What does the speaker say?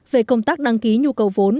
về công tác đăng ký nhu cầu vốn